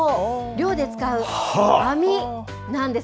漁で使う網なんです。